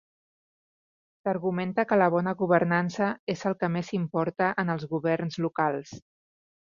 S'argumenta que la bona governança és el que més importa en els governs locals.